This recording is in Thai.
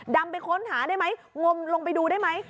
ดำไปค้นหาได้ไหมงมลงไปดูได้ไหม